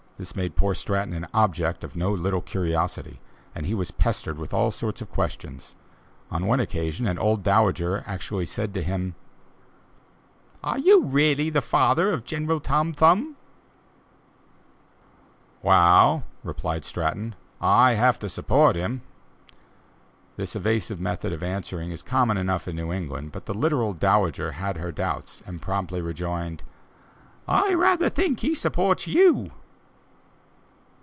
This made poor Stratton an object of no little curiosity, and he was pestered with all sorts of questions; on one occasion an old dowager said to him: "Are you really the father of General Tom Thumb?" "Wa'al," replied Stratton, "I have to support him!" This evasive method of answering is common enough in New England, but the literal dowager had her doubts, and promptly rejoined: "I rather think he supports you!"